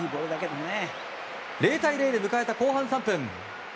０対０で迎えた後半３分。